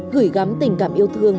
gửi gắm tình cảm yêu thương